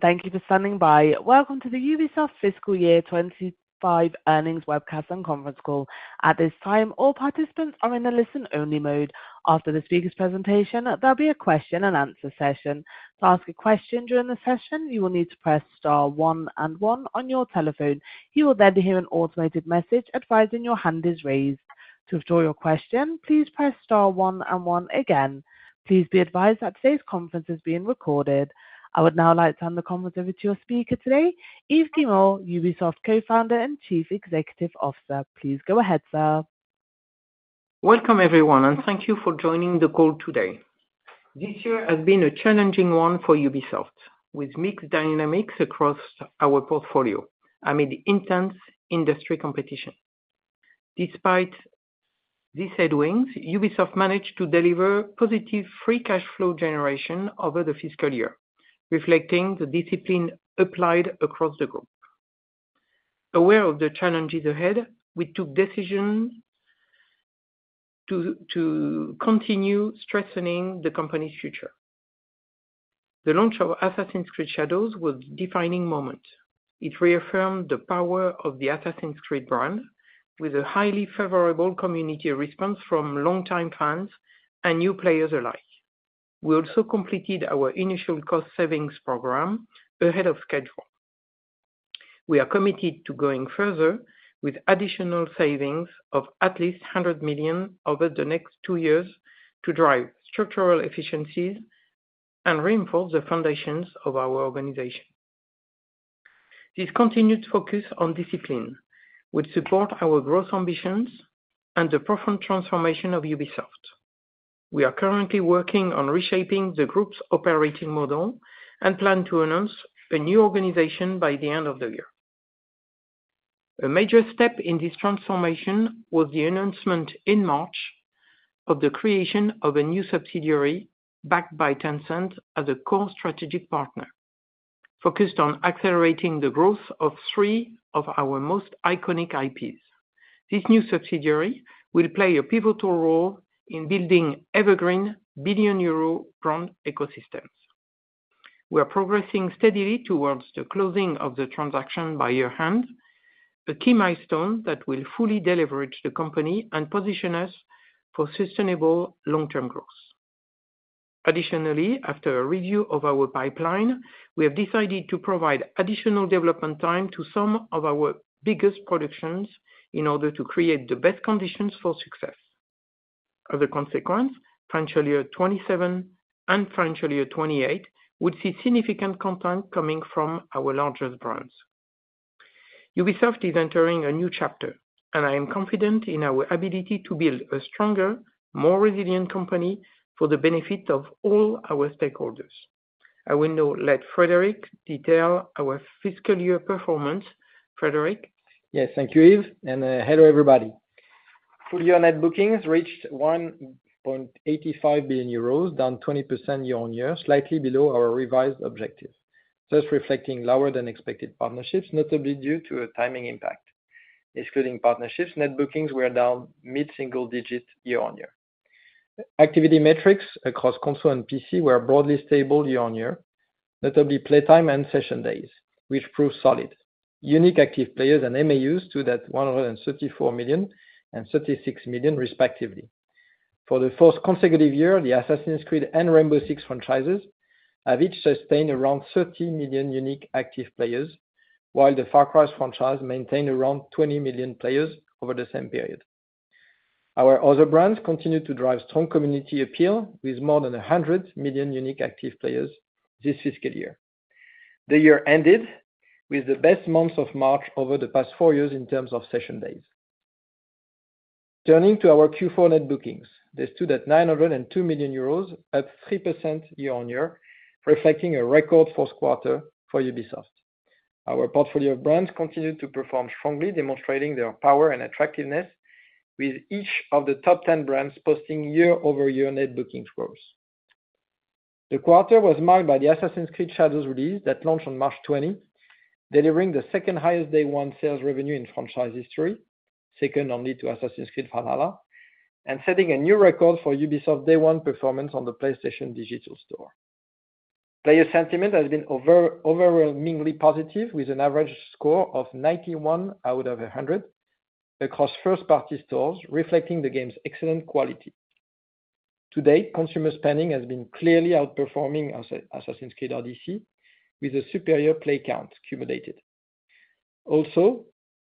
Thank you for standing by. Welcome to the Ubisoft Fiscal Year 25 Earnings Webcast and Conference Call. At this time, all participants are in a listen-only mode. After the speaker's presentation, there will be a question-and-answer session. To ask a question during the session, you will need to press star one and one on your telephone. You will then hear an automated message advising your hand is raised. To withdraw your question, please press star one and one again. Please be advised that today's conference is being recorded. I would now like to hand the conference over to your speaker today, Yves Guillemot, Ubisoft Co-founder and Chief Executive Officer. Please go ahead, sir. Welcome, everyone, and thank you for joining the call today. This year has been a challenging one for Ubisoft, with mixed dynamics across our portfolio amid intense industry competition. Despite these headwinds, Ubisoft managed to deliver positive free cash flow generation over the fiscal year, reflecting the discipline applied across the group. Aware of the challenges ahead, we took decisions to continue strengthening the company's future. The launch of Assassin's Creed Shadows was a defining moment. It reaffirmed the power of the Assassin's Creed brand, with a highly favorable community response from longtime fans and new players alike. We also completed our initial cost-savings program ahead of schedule. We are committed to going further, with additional savings of at least 100 million over the next two years to drive structural efficiencies and reinforce the foundations of our organization. This continued focus on discipline would support our growth ambitions and the profound transformation of Ubisoft. We are currently working on reshaping the group's operating model and plan to announce a new organization by the end of the year. A major step in this transformation was the announcement in March of the creation of a new subsidiary backed by Tencent as a core strategic partner, focused on accelerating the growth of three of our most iconic IPs. This new subsidiary will play a pivotal role in building evergreen billion-euro-ground ecosystems. We are progressing steadily towards the closing of the transaction by year-end, a key milestone that will fully deleverage the company and position us for sustainable long-term growth. Additionally, after a review of our pipeline, we have decided to provide additional development time to some of our biggest productions in order to create the best conditions for success. As a consequence, Financial Year 2027 and Financial Year 2028 would see significant content coming from our largest brands. Ubisoft is entering a new chapter, and I am confident in our ability to build a stronger, more resilient company for the benefit of all our stakeholders. I will now let Frédérick detail our fiscal year performance. Frédérick. Yes, thank you, Yves. Hello, everybody. Fully on net bookings, reached 1.85 billion euros, down 20% year-on-year, slightly below our revised objective. That is reflecting lower-than-expected partnerships, notably due to a timing impact. Excluding partnerships, net bookings were down mid-single-digit year-on-year. Activity metrics across console and PC were broadly stable year-on-year, notably playtime and session days, which proved solid. Unique active players and MAUs to that 134 million and 36 million, respectively. For the fourth consecutive year, the Assassin's Creed and Rainbow Six franchises have each sustained around 30 million unique active players, while the Far Cry franchise maintained around 20 million players over the same period. Our other brands continue to drive strong community appeal with more than 100 million unique active players this fiscal year. The year ended with the best months of March over the past four years in terms of session days. Turning to our Q4 net bookings, they stood at 902 million euros, up 3% year-on-year, reflecting a record fourth quarter for Ubisoft. Our portfolio of brands continued to perform strongly, demonstrating their power and attractiveness, with each of the top 10 brands posting year-over-year net bookings growth. The quarter was marked by the Assassin's Creed Shadows release that launched on March 20, delivering the second-highest day-one sales revenue in franchise history, second only to Assassin's Creed Valhalla, and setting a new record for Ubisoft's day-one performance on the PlayStation Digital Store. Player sentiment has been overwhelmingly positive, with an average score of 91 out of 100 across first-party stores, reflecting the game's excellent quality. To date, consumer spending has been clearly outperforming Assassin's Creed Odyssey, with a superior play count cumulated. Also,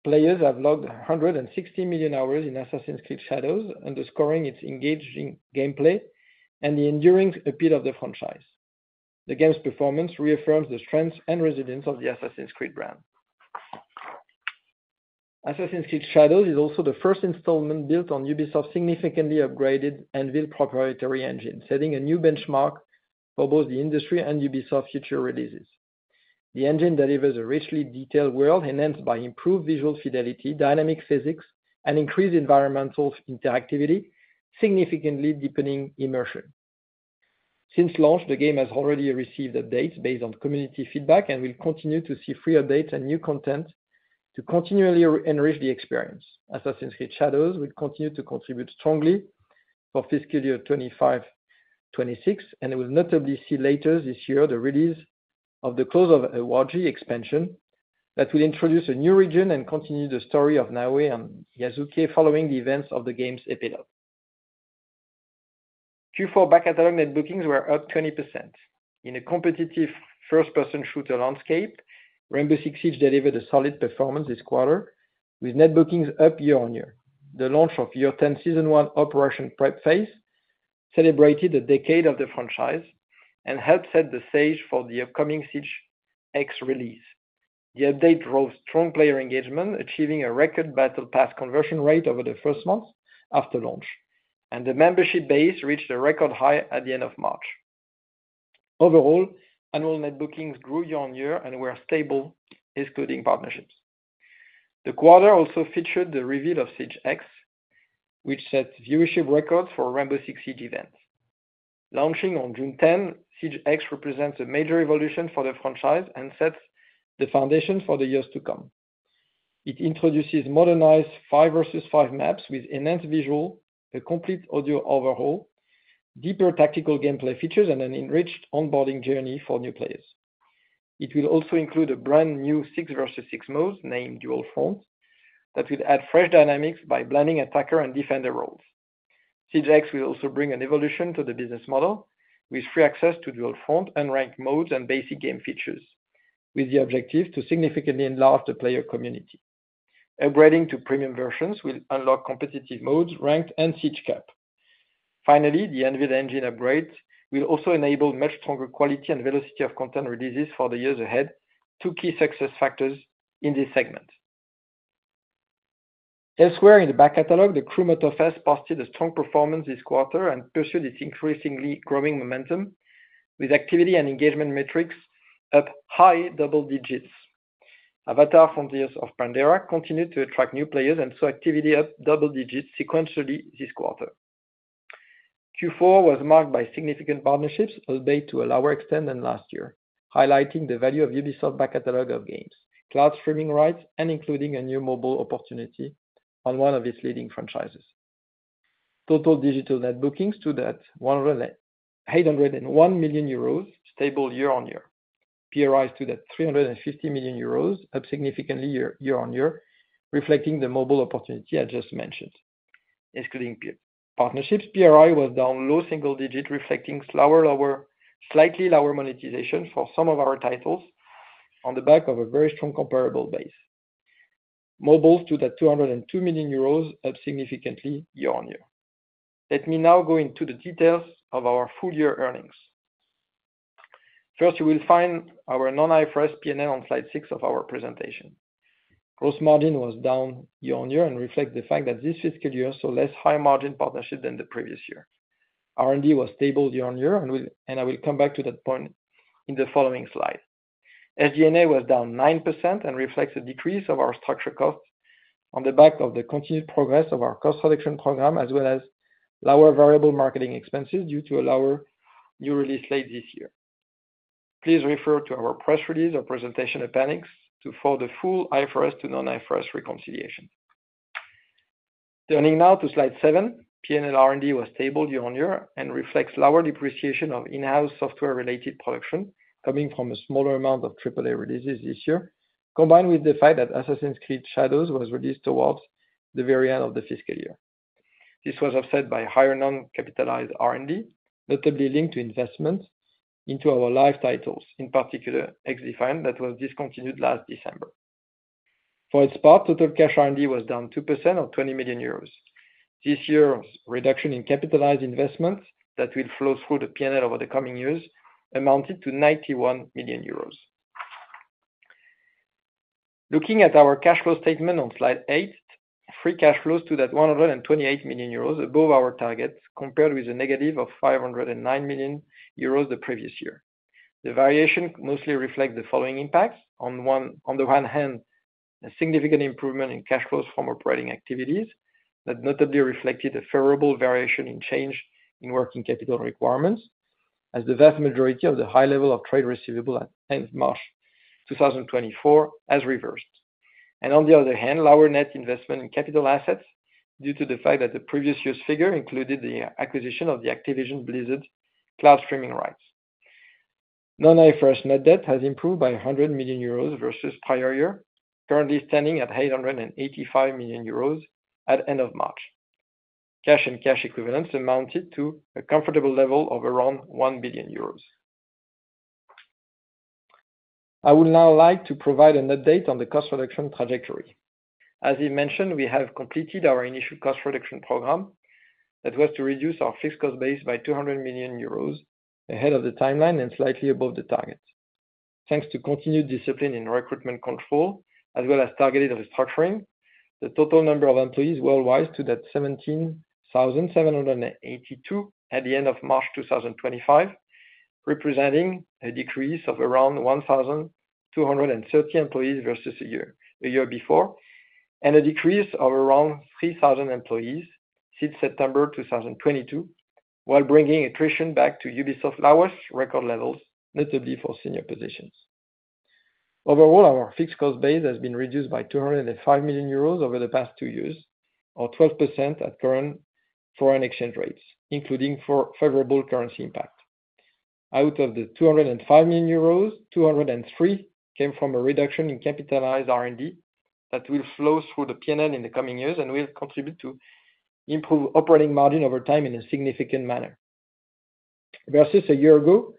players have logged 160 million hours in Assassin's Creed Shadows, underscoring its engaging gameplay and the enduring appeal of the franchise. The game's performance reaffirms the strength and resilience of the Assassin's Creed brand. Assassin's Creed: Shadows is also the first installment built on Ubisoft's significantly upgraded Anvil proprietary engine, setting a new benchmark for both the industry and Ubisoft's future releases. The engine delivers a richly detailed world enhanced by improved visual fidelity, dynamic physics, and increased environmental interactivity, significantly deepening immersion. Since launch, the game has already received updates based on community feedback and will continue to see free updates and new content to continually enrich the experience. Assassin's Creed: Shadows will continue to contribute strongly for Fiscal Year 2025-2026, and it will notably see later this year the release of the Claws of Awaji expansion that will introduce a new region and continue the story of Naoe and Yasuke following the events of the game's epilogue. Q4 back catalog net bookings were up 20%. In a competitive first-person shooter landscape, Rainbow Six Siege delivered a solid performance this quarter, with net bookings up year-on-year. The launch of Year 10 Season 1 Operation Prep Phase celebrated a decade of the franchise and helped set the stage for the upcoming Siege X release. The update drove strong player engagement, achieving a record battle pass conversion rate over the first month after launch, and the membership base reached a record high at the end of March. Overall, annual net bookings grew year-on-year and were stable, excluding partnerships. The quarter also featured the reveal of Siege X, which set viewership records for Rainbow Six Siege events. Launching on June 10, Siege X represents a major evolution for the franchise and sets the foundation for the years to come. It introduces modernized five-versus-five maps with enhanced visuals, a complete audio overhaul, deeper tactical gameplay features, and an enriched onboarding journey for new players. It will also include a brand-new six-versus-six mode named Dual Front that will add fresh dynamics by blending attacker and defender roles. Siege X will also bring an evolution to the business model, with free access to Dual Front and ranked modes and basic game features, with the objective to significantly enlarge the player community. Upgrading to premium versions will unlock competitive modes, ranked, and Siege Cup. Finally, the Anvil engine upgrades will also enable much stronger quality and velocity of content releases for the years ahead, two key success factors in this segment. Elsewhere in the back catalog, The Crew Motorfest posted a strong performance this quarter and pursued its increasingly growing momentum, with activity and engagement metrics up high double digits. Avatar: Frontiers of Pandora continued to attract new players and saw activity up double digits sequentially this quarter. Q4 was marked by significant partnerships outweighed to a lower extent than last year, highlighting the value of Ubisoft's back catalog of games, cloud streaming rights, and including a new mobile opportunity on one of its leading franchises. Total digital net bookings stood at 801 million euros, stable year-on-year. PRI stood at 350 million euros, up significantly year-on-year, reflecting the mobile opportunity I just mentioned. Excluding partnerships, PRI was down low single digits, reflecting slightly lower monetization for some of our titles on the back of a very strong comparable base. Mobile stood at 202 million euros, up significantly year-on-year. Let me now go into the details of our full-year earnings. First, you will find our non-IFRS P&L on slide six of our presentation. Gross margin was down year-on-year and reflects the fact that this fiscal year saw less high-margin partnerships than the previous year. R&D was stable year-on-year, and I will come back to that point in the following slide. SG&A was down 9% and reflects a decrease of our structure costs on the back of the continued progress of our cost reduction program, as well as lower variable marketing expenses due to a lower new release slate this year. Please refer to our press release or presentation appendix for the full IFRS to non-IFRS reconciliation. Turning now to slide seven, P&L R&D was stable year-on-year and reflects lower depreciation of in-house software-related production coming from a smaller amount of AAA releases this year, combined with the fact that Assassin's Creed: Shadows was released towards the very end of the fiscal year. This was offset by higher non-capitalized R&D, notably linked to investments into our live titles, in particular XDefiant, that was discontinued last December. For its part, total cash R&D was down 2% or 20 million euros. This year's reduction in capitalized investments that will flow through the P&L over the coming years amounted to 91 million euros. Looking at our cash flow statement on slide eight, free cash flows stood at 128 million euros, above our target, compared with a negative of 509 million euros the previous year. The variation mostly reflects the following impacts. On the one hand, a significant improvement in cash flows from operating activities that notably reflected a favorable variation in change in working capital requirements, as the vast majority of the high level of trade receivable at end of March 2024 has reversed. On the other hand, lower net investment in capital assets due to the fact that the previous year's figure included the acquisition of the Activision Blizzard cloud streaming rights. Non-IFRS net debt has improved by 100 million euros versus prior year, currently standing at 885 million euros at the end of March. Cash and cash equivalents amounted to a comfortable level of around 1 billion euros. I would now like to provide an update on the cost reduction trajectory. As Yves mentioned, we have completed our initial cost reduction program that was to reduce our fixed cost base by 200 million euros ahead of the timeline and slightly above the target. Thanks to continued discipline in recruitment control, as well as targeted restructuring, the total number of employees worldwide stood at 17,782 at the end of March 2025, representing a decrease of around 1,230 employees versus a year before, and a decrease of around 3,000 employees since September 2022, while bringing attrition back to Ubisoft's lowest record levels, notably for senior positions. Overall, our fixed cost base has been reduced by 205 million euros over the past two years, or 12% at current foreign exchange rates, including for favorable currency impact. Out of the 205 million euros, 203 million came from a reduction in capitalized R&D that will flow through the P&L in the coming years and will contribute to improve operating margin over time in a significant manner. Versus a year ago,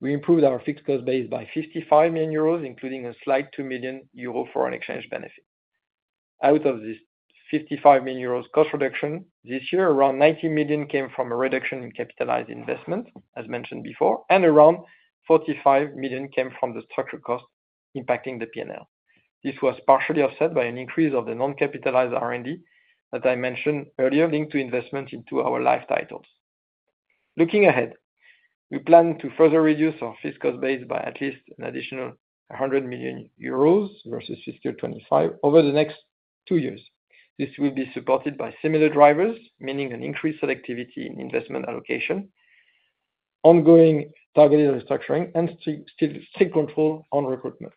we improved our fixed cost base by 55 million euros, including a slight 2 million euro foreign exchange benefit. Out of this 55 million euros cost reduction this year, around 90 million came from a reduction in capitalized investment, as mentioned before, and around 45 million came from the structure cost impacting the P&L. This was partially offset by an increase of the non-capitalized R&D that I mentioned earlier, linked to investments into our live titles. Looking ahead, we plan to further reduce our fixed cost base by at least an additional 100 million euros versus fiscal 2025 over the next two years. This will be supported by similar drivers, meaning an increased selectivity in investment allocation, ongoing targeted restructuring, and still strict control on recruitment.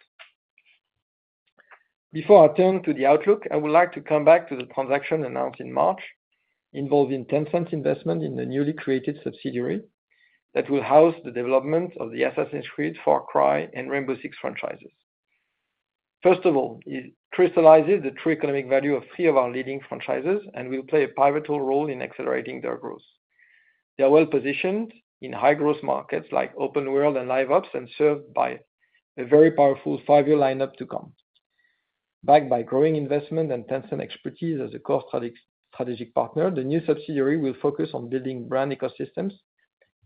Before I turn to the outlook, I would like to come back to the transaction announced in March involving Tencent's investment in the newly created subsidiary that will house the development of the Assassin's Creed, Far Cry, and Rainbow Six franchises. First of all, it crystallizes the true economic value of three of our leading franchises and will play a pivotal role in accelerating their growth. They are well positioned in high-growth markets like open world and live ops and served by a very powerful five-year lineup to come. Backed by growing investment and Tencent expertise as a core strategic partner, the new subsidiary will focus on building brand ecosystems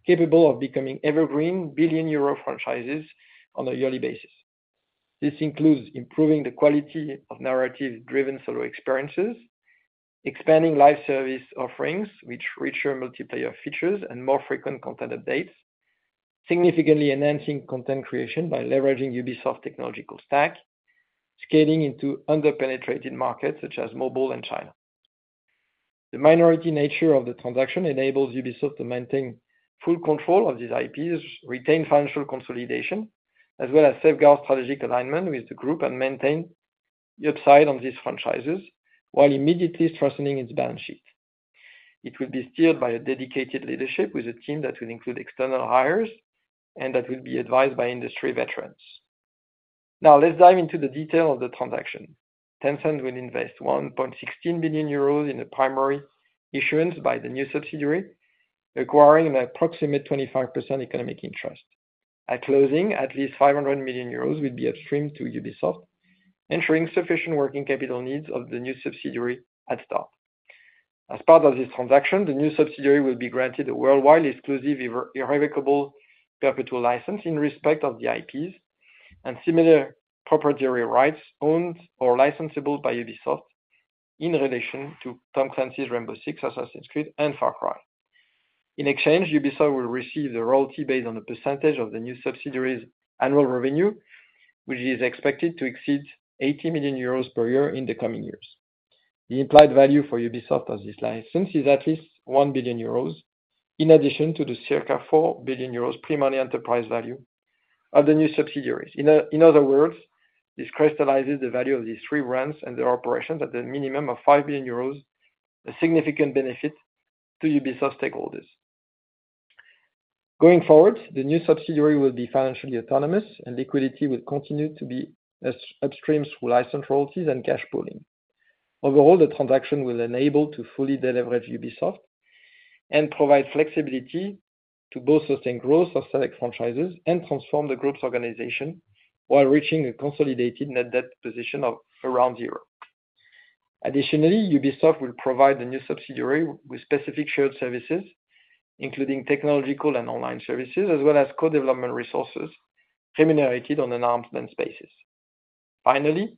capable of becoming evergreen billion-euro franchises on a yearly basis. This includes improving the quality of narrative-driven solo experiences, expanding live service offerings, with richer multiplayer features and more frequent content updates, significantly enhancing content creation by leveraging Ubisoft's technological stack, scaling into under-penetrated markets such as mobile and China. The minority nature of the transaction enables Ubisoft to maintain full control of these IPs, retain financial consolidation, as well as safeguard strategic alignment with the group and maintain the upside on these franchises while immediately strengthening its balance sheet. It will be steered by a dedicated leadership with a team that will include external hires and that will be advised by industry veterans. Now, let's dive into the detail of the transaction. Tencent will invest 1.16 billion euros in a primary issuance by the new subsidiary, acquiring an approximate 25% economic interest. At closing, at least 500 million euros will be upstream to Ubisoft, ensuring sufficient working capital needs of the new subsidiary at start. As part of this transaction, the new subsidiary will be granted a worldwide exclusive irrevocable perpetual license in respect of the IPs and similar proprietary rights owned or licensable by Ubisoft in relation to Tom Clancy's Rainbow Six, Assassin's Creed, and Far Cry. In exchange, Ubisoft will receive the royalty based on the percentage of the new subsidiary's annual revenue, which is expected to exceed 80 million euros per year in the coming years. The implied value for Ubisoft of this license is at least 1 billion euros, in addition to the circa 4 billion euros pre-money enterprise value of the new subsidiaries. In other words, this crystallizes the value of these three brands and their operations at a minimum of 5 billion euros, a significant benefit to Ubisoft stakeholders. Going forward, the new subsidiary will be financially autonomous, and liquidity will continue to be upstream through license royalties and cash pooling. Overall, the transaction will enable to fully deleverage Ubisoft and provide flexibility to both sustain growth of select franchises and transform the group's organization while reaching a consolidated net debt position of around zero. Additionally, Ubisoft will provide the new subsidiary with specific shared services, including technological and online services, as well as co-development resources remunerated on an arm's-length basis. Finally,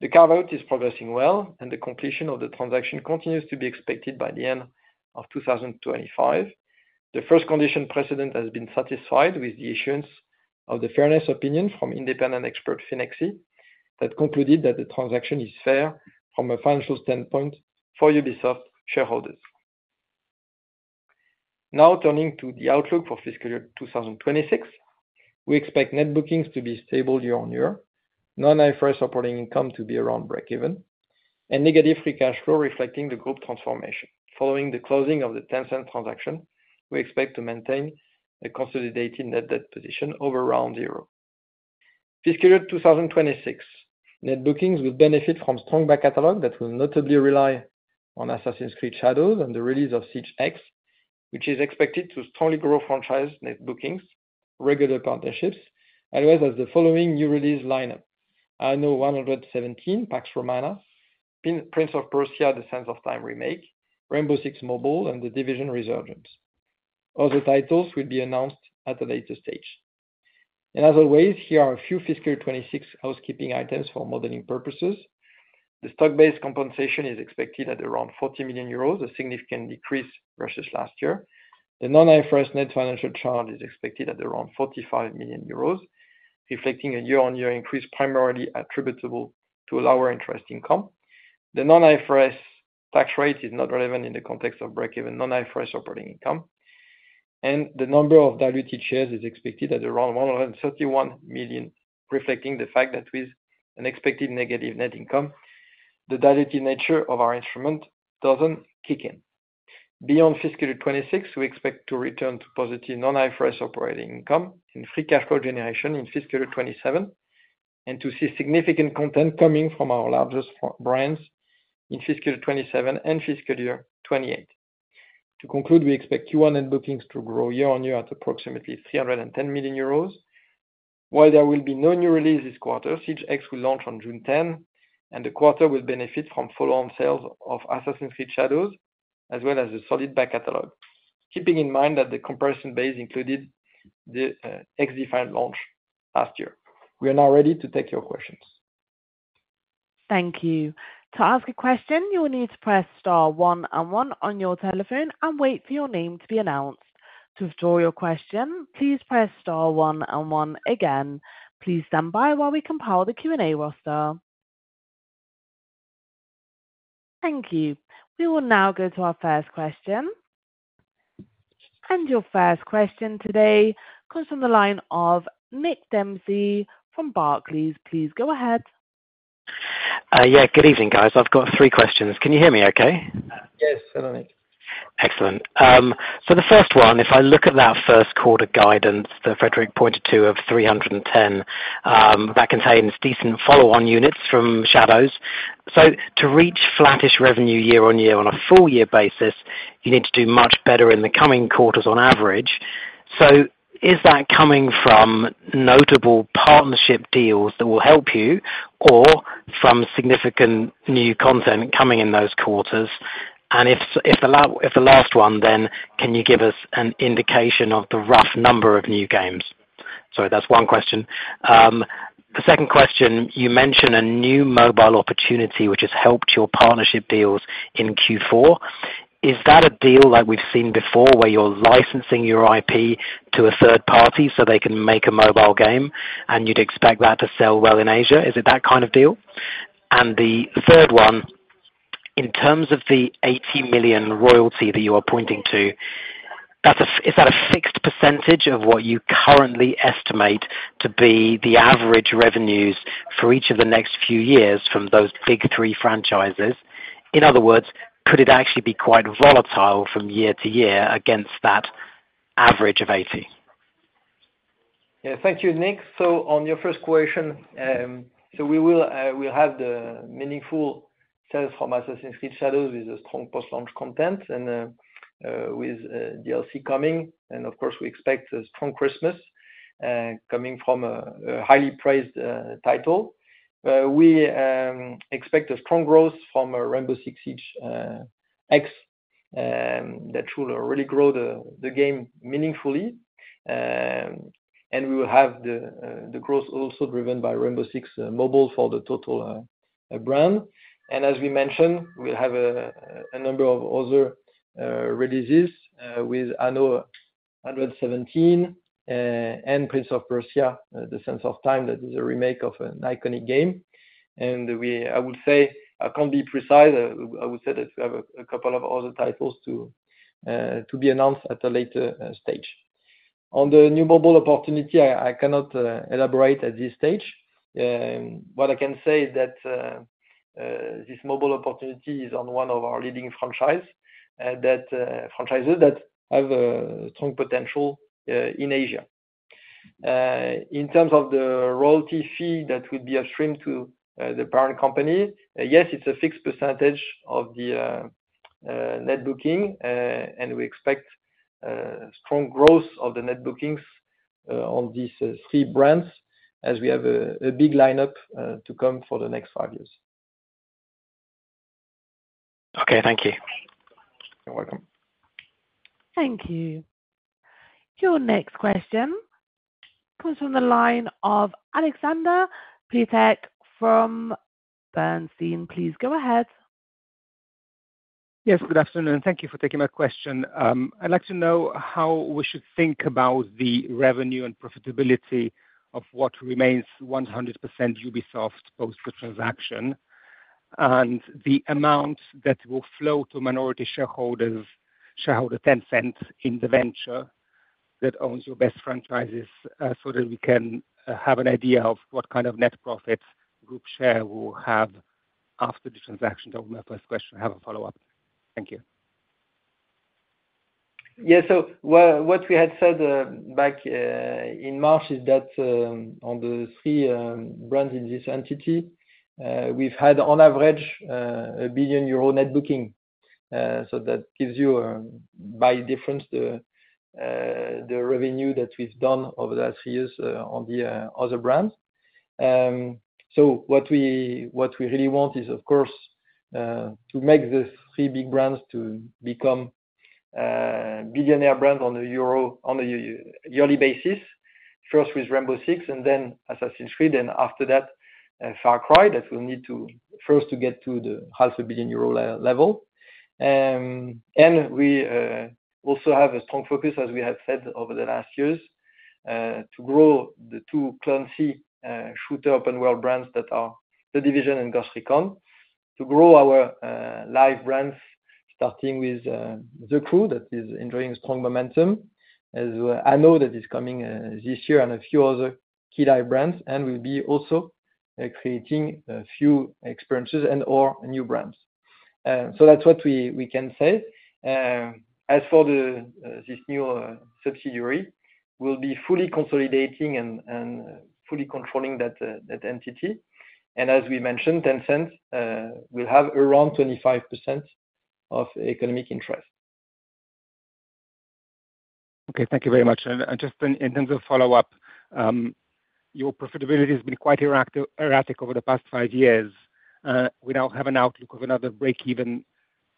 the carve-out is progressing well, and the completion of the transaction continues to be expected by the end of 2025. The first condition precedent has been satisfied with the issuance of the fairness opinion from independent expert Finexsi that concluded that the transaction is fair from a financial standpoint for Ubisoft shareholders. Now, turning to the outlook for fiscal year 2026, we expect net bookings to be stable year-on-year, non-IFRS operating income to be around break-even, and negative free cash flow reflecting the group transformation. Following the closing of the Tencent transaction, we expect to maintain a consolidated net debt position over around zero. Fiscal year 2026 net bookings will benefit from strong back catalog that will notably rely on Assassin's Creed: Shadows and the release of Siege X, which is expected to strongly grow franchise net bookings, regular partnerships, as well as the following new release lineup: Anno 117: Pax Romana, Prince of Persia: The Sands of Time Remake, Rainbow Six Mobile, and The Division: Resurgence. Other titles will be announced at a later stage. Here are a few fiscal 2026 housekeeping items for modeling purposes. The stock-based compensation is expected at around 40 million euros, a significant decrease versus last year. The non-IFRS net financial charge is expected at around 45 million euros, reflecting a year-on-year increase primarily attributable to lower interest income. The non-IFRS tax rate is not relevant in the context of break-even non-IFRS operating income. The number of diluted shares is expected at around 131 million, reflecting the fact that with an expected negative net income, the diluted nature of our instrument does not kick in. Beyond fiscal year 2026, we expect to return to positive non-IFRS operating income and free cash flow generation in fiscal year 2027 and to see significant content coming from our largest brands in fiscal year 2027 and fiscal year 2028. To conclude, we expect Q1 net bookings to grow year-on-year at approximately 310 million euros. While there will be no new release this quarter, Siege X will launch on June 10, and the quarter will benefit from follow-on sales of Assassin's Creed: Shadows, as well as a solid back catalog, keeping in mind that the comparison base included the XDefiant launch last year. We are now ready to take your questions. Thank you. To ask a question, you will need to press star one and one on your telephone and wait for your name to be announced. To withdraw your question, please press star one and one again. Please stand by while we compile the Q&A roster. Thank you. We will now go to our first question. Your first question today comes from the line of Nick Dempsey from Barclays. Please go ahead. Yeah, good evening, guys. I've got three questions. Can you hear me okay? Yes, hello, Nick. Excellent. The first one, if I look at that first quarter guidance that Frédérick pointed to of 310 million, that contains decent follow-on units from Shadows. To reach flattish revenue year-on-year on a full-year basis, you need to do much better in the coming quarters on average. Is that coming from notable partnership deals that will help you or from significant new content coming in those quarters? If the last one, then can you give us an indication of the rough number of new games? Sorry, that's one question. The second question, you mentioned a new mobile opportunity which has helped your partnership deals in Q4. Is that a deal like we've seen before where you're licensing your IP to a third party so they can make a mobile game and you'd expect that to sell well in Asia? Is it that kind of deal? The third one, in terms of the 80 million royalty that you are pointing to, is that a fixed percentage of what you currently estimate to be the average revenues for each of the next few years from those big three franchises? In other words, could it actually be quite volatile from year-to-year against that average of 80 million? Yeah, thank you, Nick. On your first question, we will have the meaningful sales from Assassin's Creed: Shadows with the strong post-launch content and with DLC coming. Of course, we expect a strong Christmas coming from a highly praised title. We expect a strong growth from Rainbow Six Siege X that should really grow the game meaningfully. We will have the growth also driven by Rainbow Six Mobile for the total brand. As we mentioned, we will have a number of other releases with Anno 117 and Prince of Persia: The Sands of Time. That is a remake of an iconic game. I would say, I cannot be precise, I would say that we have a couple of other titles to be announced at a later stage. On the new mobile opportunity, I cannot elaborate at this stage. What I can say is that this mobile opportunity is on one of our leading franchises that have strong potential in Asia. In terms of the royalty fee that would be upstream to the parent company, yes, it's a fixed percentage of the net bookings, and we expect strong growth of the net bookings on these three brands as we have a big lineup to come for the next five years. Okay, thank you. You're welcome. Thank you. Your next question comes from the line of Alexander Peterc from Bernstein. Please go ahead. Yes, good afternoon. Thank you for taking my question. I'd like to know how we should think about the revenue and profitability of what remains 100% Ubisoft post-transaction and the amount that will flow to minority shareholders, shareholder Tencent in the venture that owns your best franchises so that we can have an idea of what kind of net profit group share we'll have after the transaction? That was my first question. I have a follow-up. Thank you. Yeah, so what we had said back in March is that on the three brands in this entity, we've had on average 1 billion euro net booking. That gives you by difference the revenue that we've done over the last few years on the other brands. What we really want is, of course, to make the three big brands become billionaire brands on a yearly basis, first with Rainbow Six and then Assassin's Creed, and after that, Far Cry, that will need to first get to the 500,000,000 euro level. We also have a strong focus, as we have said over the last years, to grow the two clumsy shooter open world brands that are The Division and Ghost Recon, to grow our live brands starting with The Crew that is enjoying strong momentum as Anno is coming this year and a few other key live brands, and we'll be also creating a few experiences and/or new brands. That is what we can say. As for this new subsidiary, we'll be fully consolidating and fully controlling that entity. As we mentioned, Tencent will have around 25% of economic interest. Okay, thank you very much. Just in terms of follow-up, your profitability has been quite erratic over the past five years. We now have an outlook of another break-even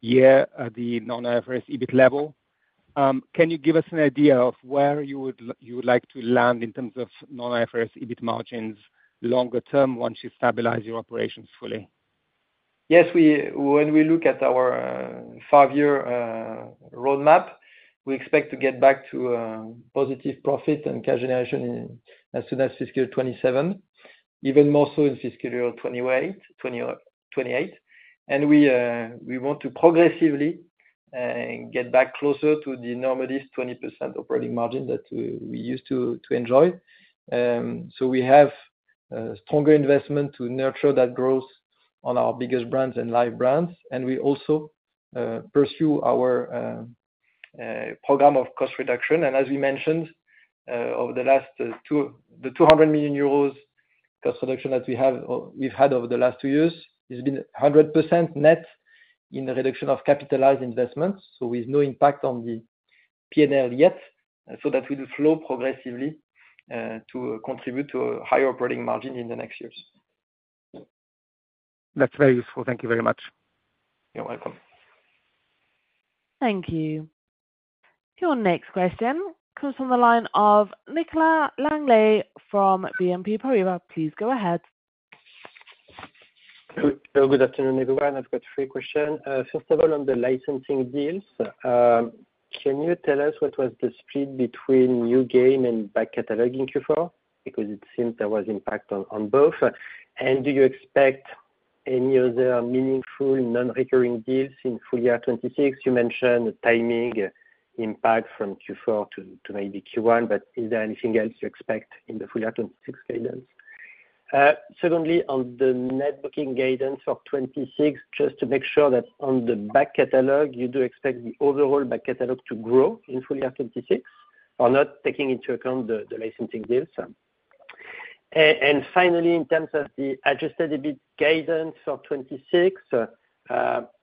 year at the non-IFRS EBIT level. Can you give us an idea of where you would like to land in terms of non-IFRS EBIT margins longer term once you stabilize your operations fully? Yes, when we look at our five-year roadmap, we expect to get back to positive profit and cash generation as soon as fiscal year 2027, even more so in fiscal year 2028. We want to progressively get back closer to the normal 20% operating margin that we used to enjoy. We have stronger investment to nurture that growth on our biggest brands and live brands. We also pursue our program of cost reduction. As we mentioned, over the last 200 million euros cost reduction that we've had over the last two years has been 100% net in the reduction of capitalized investments, with no impact on the P&L yet, so that will flow progressively to contribute to a higher operating margin in the next years. That's very useful. Thank you very much. You're welcome. Thank you. Your next question comes from the line of Nicolas Langlet from BNP Paribas. Please go ahead. Hello, good afternoon, everyone. I've got three questions. First of all, on the licensing deals, can you tell us what was the split between new game and back catalog in Q4? Because it seems there was impact on both. Do you expect any other meaningful non-recurring deals in full year 2026? You mentioned timing impact from Q4 to maybe Q1, but is there anything else you expect in the full year 2026 guidance? Secondly, on the net booking guidance for 2026, just to make sure that on the back catalog, you do expect the overall back catalog to grow in full year 2026 or not taking into account the licensing deals? Finally, in terms of the adjusted EBIT guidance for 2026,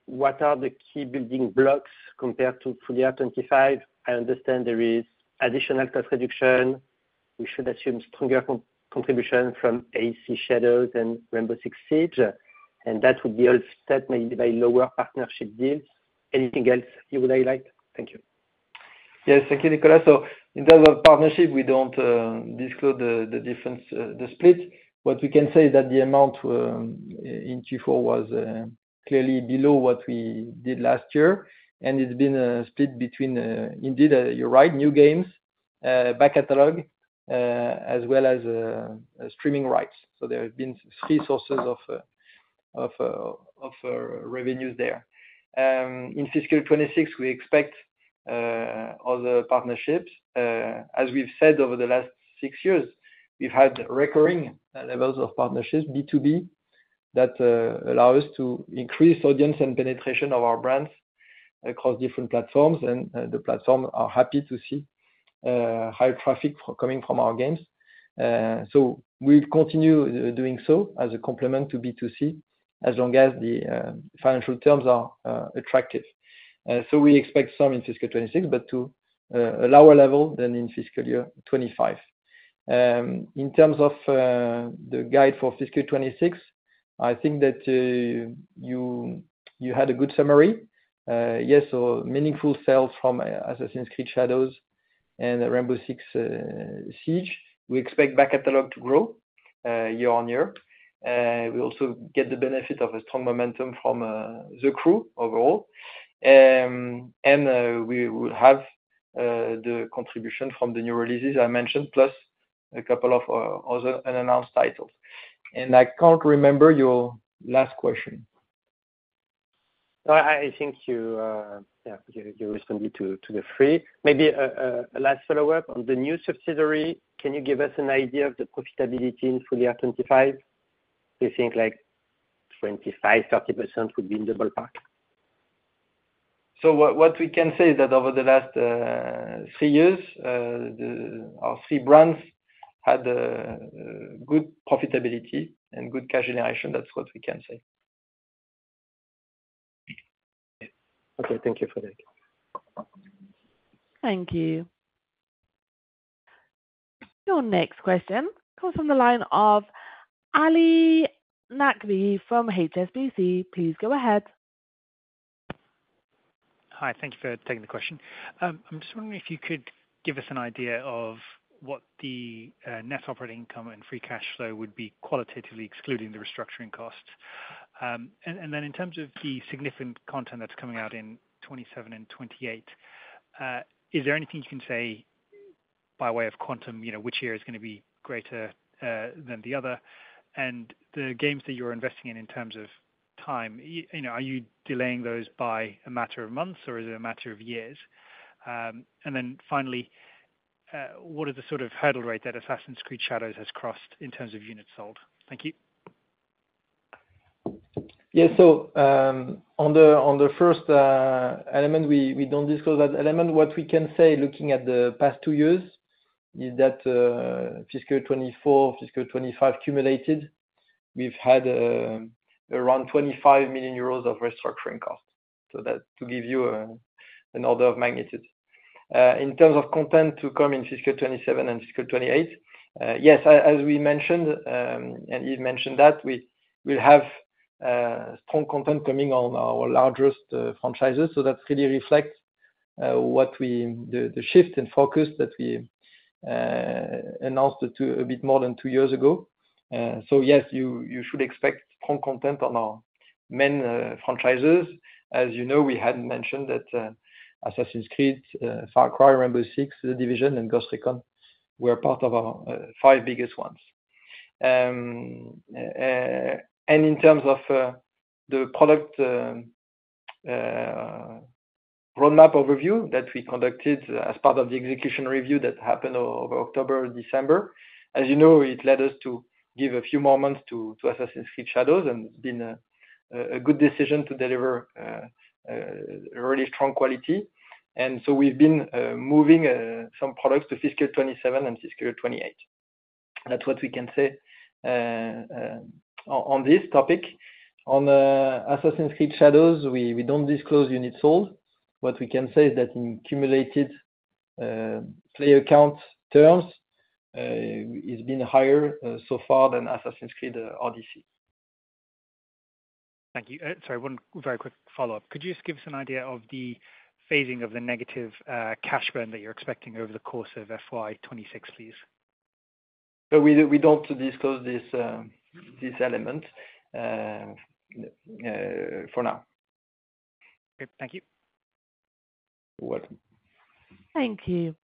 what are the key building blocks compared to full year 2025? I understand there is additional cost reduction. We should assume stronger contribution from AC Shadows and Rainbow Six Siege, and that would be offset maybe by lower partnership deals. Anything else you would highlight? Thank you. Yes, thank you, Nicolas. In terms of partnership, we do not disclose the split. What we can say is that the amount in Q4 was clearly below what we did last year. It has been a split between, indeed, you're right, new games, back catalog, as well as streaming rights. There have been three sources of revenues there. In fiscal 2026, we expect other partnerships. As we have said over the last six years, we have had recurring levels of partnerships, B2B, that allow us to increase audience and penetration of our brands across different platforms. The platforms are happy to see high traffic coming from our games. We will continue doing so as a complement to B2C as long as the financial terms are attractive. We expect some in fiscal 2026, but to a lower level than in fiscal year 2025. In terms of the guide for fiscal 2026, I think that you had a good summary. Yes, meaningful sales from Assassin's Creed: Shadows and Rainbow Six Siege. We expect back catalog to grow year-on-year. We also get the benefit of a strong momentum from The Crew overall. We will have the contribution from the new releases I mentioned, plus a couple of other unannounced titles. I can't remember your last question. I think you responded to the three. Maybe a last follow-up on the new subsidiary. Can you give us an idea of the profitability in full year 2025? Do you think like 25%-30% would be in the ballpark? What we can say is that over the last three years, our three brands had good profitability and good cash generation. That's what we can say. Okay, thank you, Frédérick. Thank you. Your next question comes from the line of Ali Naqvi from HSBC. Please go ahead. Hi, thank you for taking the question. I'm just wondering if you could give us an idea of what the net operating income and free cash flow would be qualitatively excluding the restructuring costs. In terms of the significant content that's coming out in 2027 and 2028, is there anything you can say by way of quantum, which year is going to be greater than the other? The games that you're investing in in terms of time, are you delaying those by a matter of months or is it a matter of years? Finally, what is the sort of hurdle rate that Assassin's Creed: Shadows has crossed in terms of units sold? Thank you. Yeah, on the first element, we don't disclose that element. What we can say looking at the past two years is that fiscal 2024, fiscal 2025 cumulated, we've had around 25 million euros of restructuring costs. That is to give you an order of magnitude. In terms of content to come in fiscal 2027 and fiscal 2028, yes, as we mentioned, and you have mentioned that we will have strong content coming on our largest franchises. That really reflects the shift and focus that we announced a bit more than two years ago. Yes, you should expect strong content on our main franchises. As you know, we had mentioned that Assassin's Creed, Far Cry, Rainbow Six, The Division, and Ghost Recon were part of our five biggest ones. In terms of the product roadmap overview that we conducted as part of the execution review that happened over October and December, as you know, it led us to give a few more months to Assassin's Creed: Shadows. It has been a good decision to deliver really strong quality. We've been moving some products to fiscal 2027 and fiscal 2028. That's what we can say on this topic. On Assassin's Creed: Shadows, we don't disclose units sold. What we can say is that in cumulated player count terms, it's been higher so far than Assassin's Creed Odyssey. Thank you. Sorry, one very quick follow-up. Could you just give us an idea of the phasing of the negative cash burn that you're expecting over the course of FY 2026, please? We don't disclose this element for now. Okay, thank you. You're welcome. Thank you.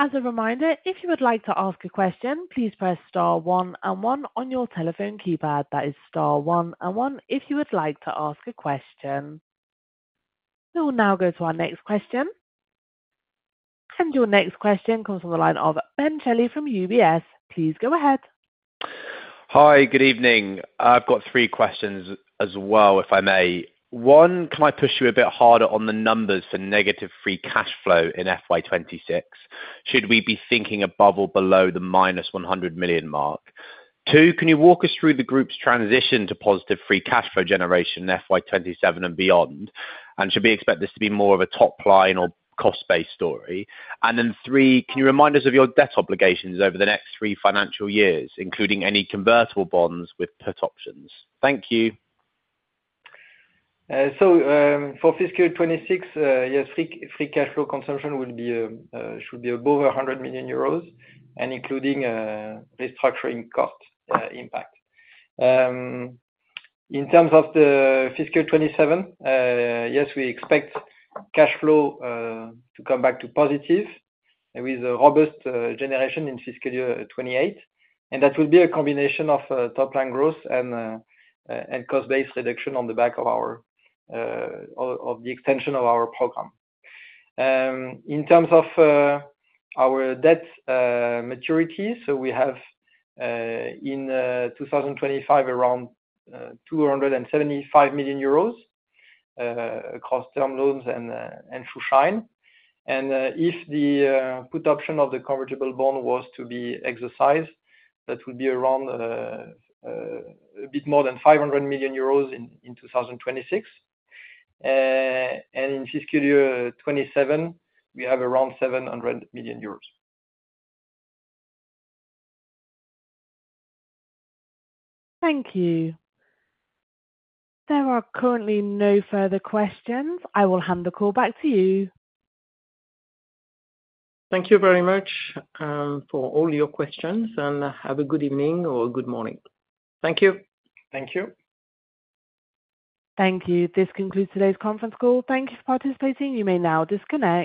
As a reminder, if you would like to ask a question, please press star one and one on your telephone keypad. That is star one and one if you would like to ask a question. We will now go to our next question. Your next question comes from the line of Ben Shelley from UBS. Please go ahead. Hi, good evening. I've got three questions as well, if I may. One, can I push you a bit harder on the numbers for negative free cash flow in FY 2026? Should we be thinking above or below the -100 million mark? Two, can you walk us through the group's transition to positive free cash flow generation in FY 2027 and beyond? And should we expect this to be more of a top line or cost-based story? Three, can you remind us of your debt obligations over the next three financial years, including any convertible bonds with put options? Thank you. For fiscal 2026, yes, free cash flow consumption should be above 100 million euros and including restructuring cost impact. In terms of the fiscal 2027, yes, we expect cash flow to come back to positive with a robust generation in fiscal year 2028. That will be a combination of top line growth and cost-based reduction on the back of the extension of our program. In terms of our debt maturities, we have in 2025 around 275 million euros across term loans and through shine. If the put option of the convertible bond was to be exercised, that would be around a bit more than 500 million euros in 2026. In fiscal year 2027, we have around EUR 700 million. Thank you. There are currently no further questions. I will hand the call back to you. Thank you very much for all your questions, and have a good evening or a good morning. Thank you. Thank you. Thank you. This concludes today's conference call. Thank you for participating. You may now disconnect.